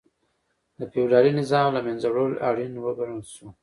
د فیوډالي نظام له منځه وړل اړین وګڼل شو.